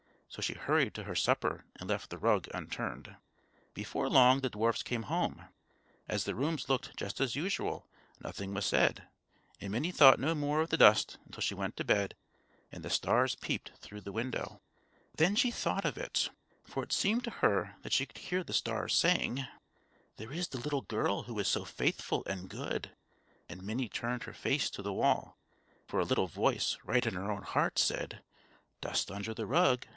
So she hurried to her supper and left the rug unturned. Before long the dwarfs came home. As the rooms looked just as usual, nothing was said; and Minnie thought no more of the dust until she went to bed and the stars peeped through the window. [Illustration: All the little dwarfs came running out to see what was the matter.] Then she thought of it, for it seemed to her that she could hear the stars saying: "There is the little girl who is so faithful and good"; and Minnie turned her face to the wall, for a little voice, right in her own heart, said: "Dust under the rug!